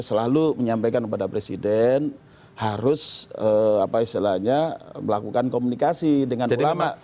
selalu menyampaikan kepada presiden harus melakukan komunikasi dengan ulama